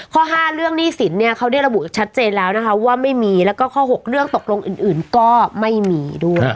ข้อ๕เรื่องหนี้สินเนี่ยเขาได้ระบุชัดเจนแล้วนะคะว่าไม่มีแล้วก็ข้อ๖เรื่องตกลงอื่นก็ไม่มีด้วย